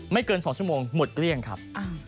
เกิน๒ชั่วโมงหมดเกลี้ยงครับ